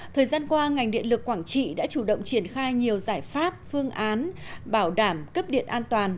thời gian qua ngành điện lực quảng trị đã chủ động triển khai nhiều giải pháp phương án bảo đảm cấp điện an toàn